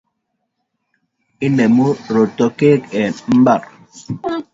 Inemu rotokek eng mbar